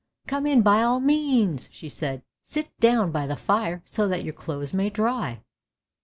" Come in by all means! " she said; " sit down by the fire so that your clothes may dry!